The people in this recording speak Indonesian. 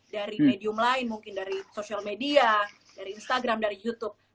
dari medium lain mungkin dari social media dari instagram dari youtube